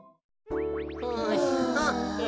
あ。